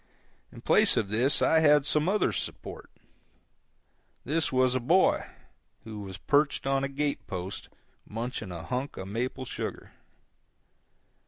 In place of this I had some other support. This was a boy, who was perched on a gate post munching a hunk of maple sugar.